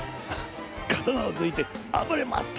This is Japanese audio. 刀を抜いてあばれ回った！